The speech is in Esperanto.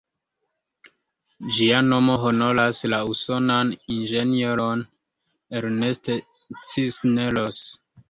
Ĝia nomo honoras la usonan inĝenieron "Ernest Cisneros".